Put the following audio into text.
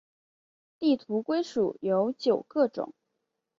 地图龟属有九个种。